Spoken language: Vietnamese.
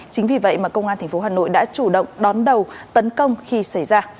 chính vì vậy mà công an tp hà nội đã chủ động đón đầu tấn công khi xảy ra